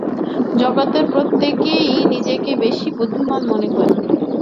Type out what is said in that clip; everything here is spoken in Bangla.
জগতের প্রত্যেকেই নিজেকে বেশী বুদ্ধিমান মনে করে।